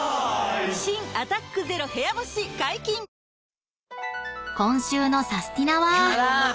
新「アタックＺＥＲＯ部屋干し」解禁‼［今週の『サスティな！』は］